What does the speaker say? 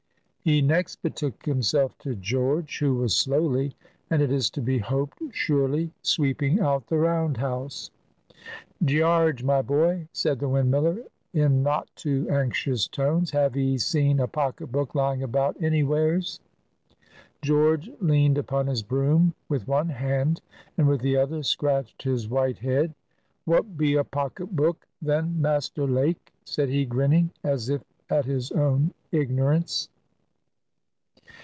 He next betook himself to George, who was slowly, and it is to be hoped surely, sweeping out the round house. "Gearge, my boy," said the windmiller, in not too anxious tones, "have 'ee seen a pocket book lying about anywheres?" George leaned upon his broom with one hand, and with the other scratched his white head. "What be a pocket book, then, Master Lake?" said he, grinning, as if at his own ignorance.